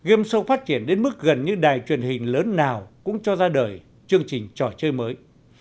có thời điểm game show phát triển đến mức gần như đài truyền hình lớn nào cũng cho ra đời chương trình trò chơi mới